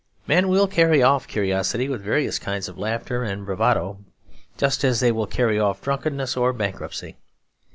Men will carry off curiosity with various kinds of laughter and bravado, just as they will carry off drunkenness or bankruptcy.